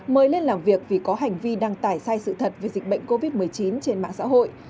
mời lên làm việc vì có hành vi đăng tải sai sự thật về dịch bệnh covid một mươi chín trên mạng xã hội